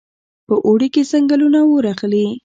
په اوړي کې ځنګلونه اور اخلي.